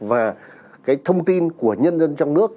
và cái thông tin của nhân dân trong nước